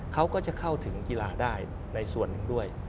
เขาก็จะเข้าถึงกีฬาได้ในส่วนหนึ่งด้วย